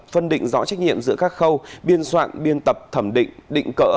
phân định rõ trách nhiệm giữa các khâu biên soạn biên tập thẩm định định cỡ